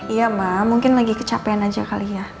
iya mbak mungkin lagi kecapean aja kali ya